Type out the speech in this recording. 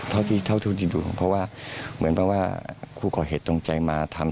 เท่าที่ดูเพราะว่าเหมือนเพราะว่าคู่ก่อเหตุตรงใจมาทำ